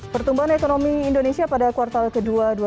pertumbuhan ekonomi indonesia pada kuartal ke dua dua ribu dua puluh